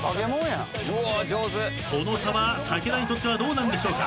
この差は武田にとってはどうなんでしょうか。